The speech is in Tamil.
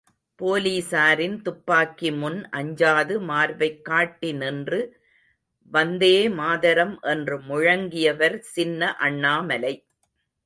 போலீசாரின் துப்பாக்கி முன் அஞ்சாது மார்பைக் காட்டி நின்று வந்தேமாதரம் என்று முழங்கியவர் சின்ன அண்ணாமலை.